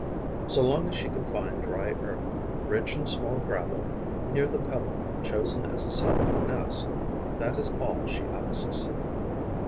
So long as she can find dry earth, rich in small gravel, near the pebble chosen as the site of her nest, that is all she asks.